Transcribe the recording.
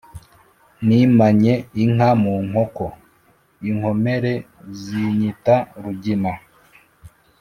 Nimanye inka mu nkoko, inkomere zinyita Rugina